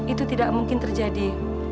itu tidak mungkin terjadi